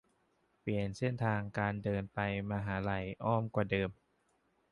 เปลี่ยนเส้นทางการเดินไปมหาลัย อ้อมกว่าเดิม